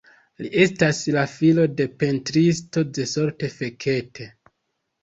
Li estas la filo de pentristo Zsolt Fekete.